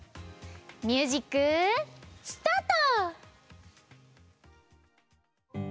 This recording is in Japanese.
ミュージックスタート！